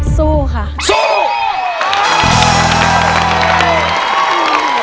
สู้ค่ะ